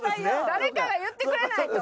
誰かが言ってくれないと。